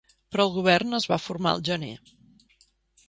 Però el govern es va formar el gener.